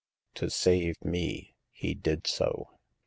To save me, he did so.